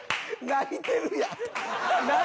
泣いてるやん！